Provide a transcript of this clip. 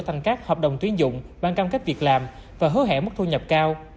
thành các hợp đồng tuyến dụng bằng cam kết việc làm và hứa hẹn mức thu nhập cao